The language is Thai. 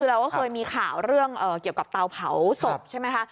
คือเราก็เคยมีข่าวเรื่องเกี่ยวกับเตาเผาศพใช่ไหมคะ